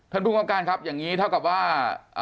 ท่านผู้กำการครับอย่างนี้เท่ากับว่า